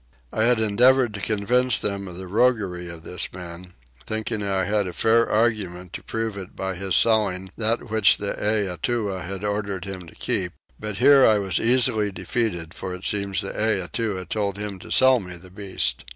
I endeavoured to convince them of the roguery of this man, thinking I had a fair argument to prove it by his selling that which the Eatua had ordered him to keep; but here I was easily defeated for it seems the Eatua told him to sell me the beast.